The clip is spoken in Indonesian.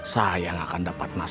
sekarang kalian diadakan ini